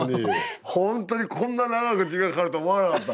ほんとにこんな長く時間かかるとは思わなかった。